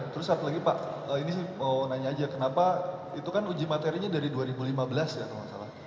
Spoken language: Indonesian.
terus satu lagi pak ini sih mau nanya aja kenapa itu kan uji materinya dari dua ribu lima belas ya kalau nggak salah